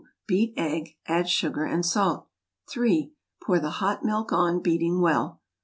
Beat egg. Add sugar and salt. 3. Pour the hot milk on, beating well.